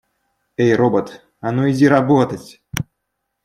Эй, робот, а ну иди работать!